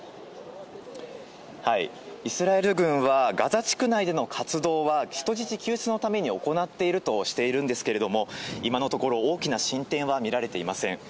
イスラエル軍はガザ地区内での活動は人質救出のために行っているとしているんですけれども今のところ大きな進展は見られていません。